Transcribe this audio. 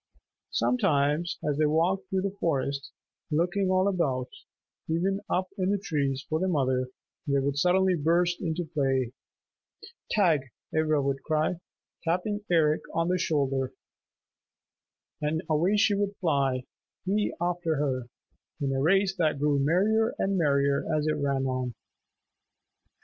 Sometimes as they walked through the forest, looking all about, even up into the trees for their mother, they would suddenly burst into play. "Tag," Ivra would cry, tapping Eric on the shoulder, and away she would fly, he after her, in a race that grew merrier and merrier as it ran on.